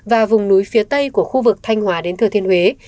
và vùng núi phía tây của khu vực thanh hòa đến thừa thiên huế